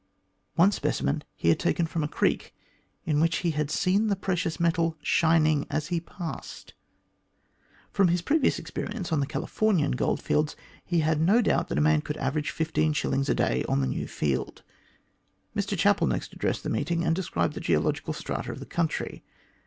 One specimen he had taken from a creek, in which he had seen the precious metal shining as he passed. From his previous experience on the Californian goldfields, he had no doubt that a man could average fifteen shillings a day on the new field. Mr Chapel next addressed the meeting, and described the geological strata of the country.